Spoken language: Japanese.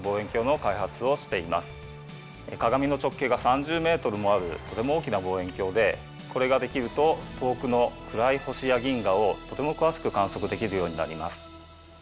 鏡の直径が３０ｍもあるとても大きな望遠鏡でこれができると遠くの暗い星や銀河をとても詳しく観測できるようになります。